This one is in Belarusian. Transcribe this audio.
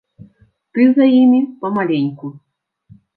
Ты за імі памаленьку.